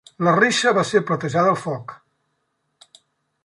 La reixa va ser platejada al foc.